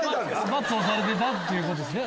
バツをされてたってことですね。